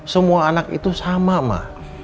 semua anak itu sama mah